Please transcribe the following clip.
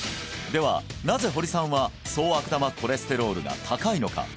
ではなぜ堀さんは総悪玉コレステロールが高いのか？